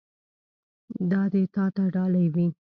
دا دې تا ته ډالۍ وي.